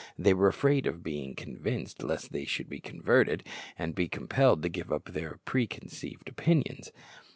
They were afraid of being convinced, lest they should be converted, and be compelled to give up their preconceived opinions.